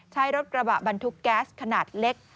ใช้รถกระบะบรรทุกแก๊สขนาดเล็ก